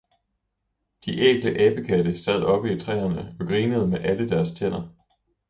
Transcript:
De ækle abekatte sad oppe i træerne og grinede med alle deres tænder.